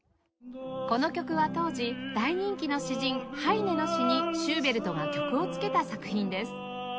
この曲は当時大人気の詩人ハイネの詩にシューベルトが曲をつけた作品です